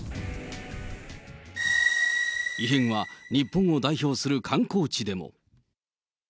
異変は、日本を代表する観光地でも。